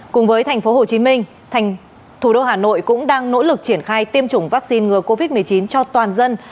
cùng với tp hcm thủ đô hà nội cũng đang nỗ lực triển khai tiêm chủng vaccine ngừa covid một mươi chín cho toàn dân